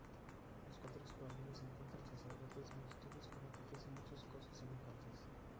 Los cuatro exploradores encuentran sacerdotes, multitudes fanáticas y muchas cosas semejantes.